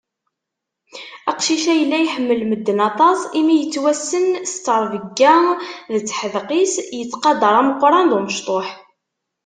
Aqcic-a, yella iḥemmel medden aṭaṣ, imi yettwassen s terbiyya d teḥdeq-is, yettqadaṛ ameqqṛan d umectuḥ.